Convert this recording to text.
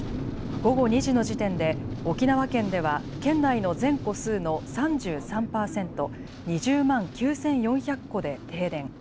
午後２時の時点で沖縄県では県内の全戸数の３３％、２０万９４００戸で停電。